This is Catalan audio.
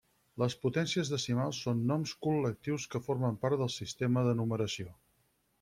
Les potències decimals són noms col·lectius que formen part del sistema de numeració.